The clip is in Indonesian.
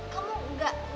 kamu gak terluka atau